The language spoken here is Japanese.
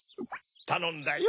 たのんだよ。